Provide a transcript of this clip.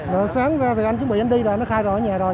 rồi sáng ra thì anh chuẩn bị anh đi rồi nó khai rồi ở nhà rồi